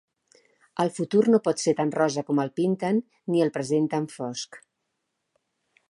El futur no pot ser tant rosa com el pinten ni el present tan fosc.